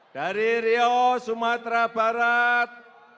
dari rio sumatera barat